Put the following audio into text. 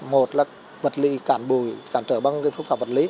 một là vật lý cản bùi cản trở bằng phúc khảo vật lý